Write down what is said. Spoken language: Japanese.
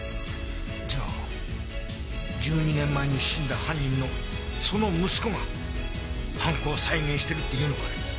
じゃあ１２年前に死んだ犯人のその息子が犯行を再現してるって言うのかね？